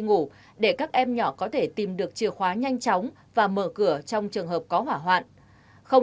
ngủ để các em nhỏ có thể tìm được chìa khóa nhanh chóng và mở cửa trong trường hợp có hỏa hoạn không